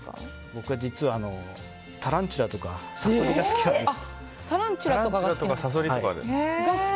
僕は実はタランチュラとかサソリが好きなんです。